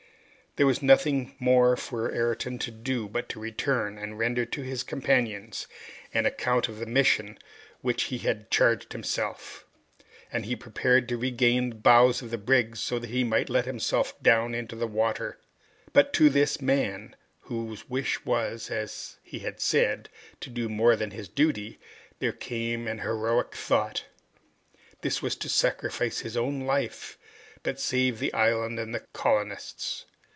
There was nothing more for Ayrton to do but to return, and render to his companions an account of the mission with which he had charged himself, and he prepared to regain the bows of the brig, so that he might let himself down into the water. But to this man, whose wish was, as he had said, to do more than his duty, there came an heroic thought. This was to sacrifice his own life, but save the island and the colonists.